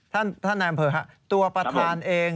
ท่านนายอำเภอครับตัวประธานเอง